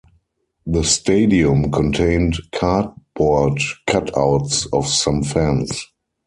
The stadium contained cardboard cut outs of some fans.